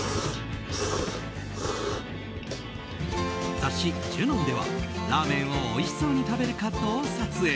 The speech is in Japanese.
雑誌「ＪＵＮＯＮ」ではラーメンをおいしそうに食べるカットを撮影。